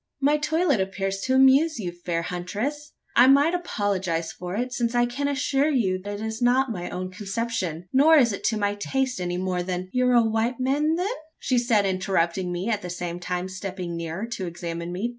"My toilet appears to amuse you, fair huntress? I might apologise for it since I can assure you it is not my own conception, nor is it to my taste any more than " "You are a white man, then?" said she, interrupting me at the same time stepping nearer to examine me.